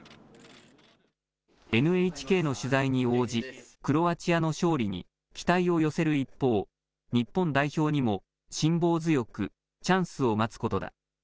ＮＨＫの取材に応じクロアチアの勝利に期待を寄せる一方、日本代表にも辛抱強くチャンスを待つことだ。